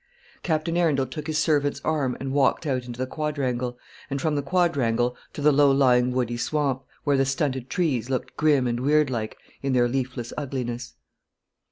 Captain Arundel took his servant's arm and walked out into the quadrangle, and from the quadrangle to the low lying woody swamp, where the stunted trees looked grim and weird like in their leafless ugliness.